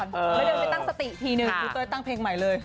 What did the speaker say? ด้วยเป็นตั้งสติทีหนึ่งครูเต้วอาจจะตั้งเพลงใหม่เลย